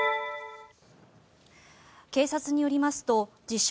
警察によりますと自称